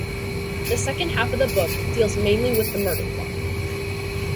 The second half of the book deals mainly with the murder plot.